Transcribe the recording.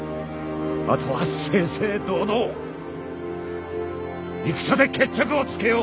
あとは正々堂々戦で決着をつけよう。